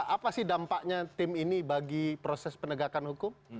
apa sih dampaknya tim ini bagi proses penegakan hukum